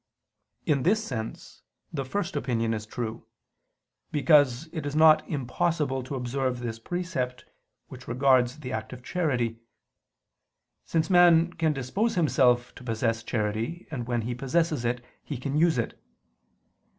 In this sense, the first opinion is true. Because it is not impossible to observe this precept which regards the act of charity; since man can dispose himself to possess charity, and when he possesses it, he can use it.